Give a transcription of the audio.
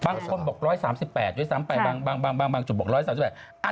บางคนบอก๑๓๘ด้วยซ้ำไปบางจุดบอก๑๓๘